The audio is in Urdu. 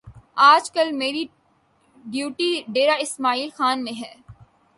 آج کل میری ڈیوٹی ڈیرہ اسماعیل خان میں ہے